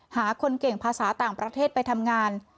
หาคนเก่งภาษาต่างประเทศไปทำงาน